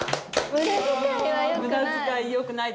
「無駄遣いは良くない」。